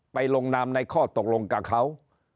ลงนามในข้อตกลงกับเขา